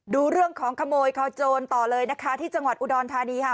ดูเรื่องของขโมยคอโจรต่อเลยนะคะที่จังหวัดอุดรธานีค่ะ